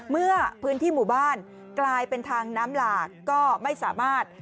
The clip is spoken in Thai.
เมื่อพื้นที่หมู่บ้านกลายเป็นทางน้ำหลากก็ไม่สามารถ